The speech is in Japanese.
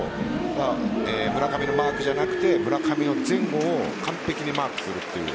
村上のマークじゃなくて村上の前後を完璧にマークするという。